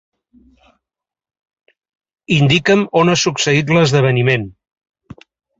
Indica'm on ha succeït l'esdeveniment.